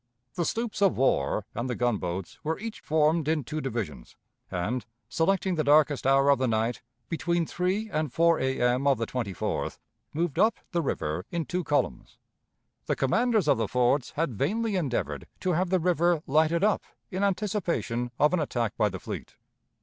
The sloops of war and the gunboats were each formed in two divisions, and, selecting the darkest hour of the night, between 3 and 4 A.M. of the 24th, moved up the river in two columns. The commanders of the forts had vainly endeavored to have the river lighted up in anticipation of an attack by the fleet.